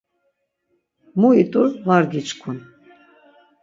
Mu it̆ur var gişǩun.